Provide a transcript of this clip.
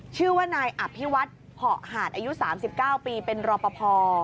ชื่อว่านายอภิวัฒน์เผาะหาดอายุสามสิบเก้าปีเป็นรอปภ